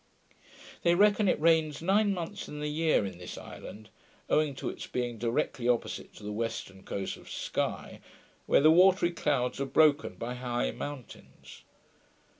They reckon it rains nine months in the year in this island, owing to its being directly opposite to the western coast of Sky, where the watery clouds are broken by high mountains.